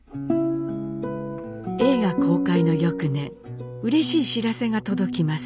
映画公開の翌年うれしい知らせが届きます。